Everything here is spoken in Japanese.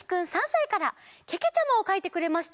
けけちゃまをかいてくれました。